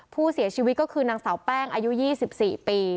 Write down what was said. ผู้เสียชีวิตก็คือนางสาวแป้งอายุ๒๔ปี